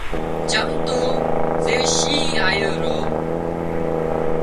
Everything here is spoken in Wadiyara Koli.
چم تو زي شينهن آيو رو